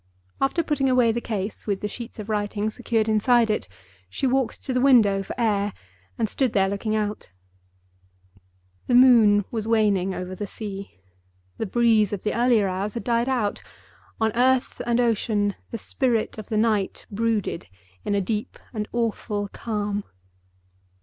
After putting away the case, with the sheets of writing secured inside it, she walked to the window for air, and stood there looking out. The moon was waning over the sea. The breeze of the earlier hours had died out. On earth and ocean, the spirit of the Night brooded in a deep and awful calm.